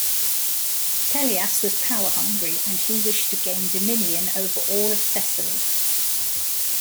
Pelias was power-hungry and he wished to gain dominion over all of Thessaly.